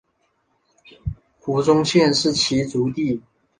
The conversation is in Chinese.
胡宗宪是其族弟。